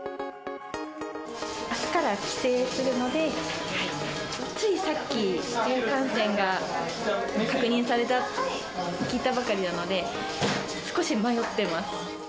あすから帰省するので、ついさっき市中感染が確認されたって聞いたばかりなので、少し迷ってます。